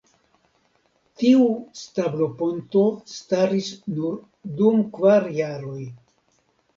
Tiu stabloponto staris nur dum kvar jaroj.